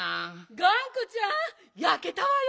がんこちゃんやけたわよ。